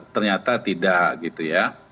ternyata tidak gitu ya